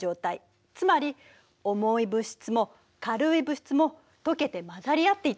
つまり重い物質も軽い物質も溶けて混ざり合っていたの。